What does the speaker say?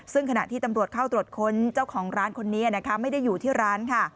ซึ่งขณะที่ตำรวจเข้าตรวจค้นเจ้าของร้านคนนี้นะคะไม่ได้อยู่ที่ร้านค่ะ